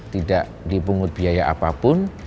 tidak dipungut biaya apapun